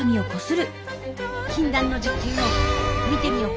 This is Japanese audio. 禁断の実験を見てみよか！